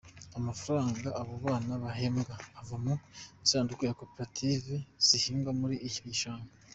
Amafaranga abo bana bahembwa ava mu isanduku ya Koperative zihinga muri icyo gishanga.